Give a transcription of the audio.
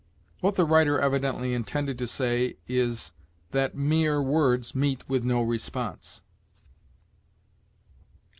What the writer evidently intended to say is, that mere words meet with no response.